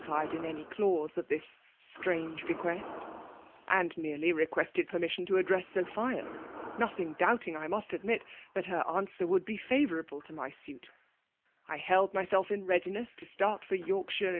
fied in any clause of this strange bequest), ^nd merely requested permission to address Sophia, nothing doubting, I must admit, that her answer would be favourable to my suit I held myself in readiness to start for Yorkshire hn*.